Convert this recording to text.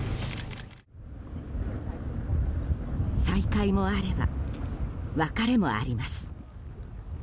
再開もあれば別れもあります。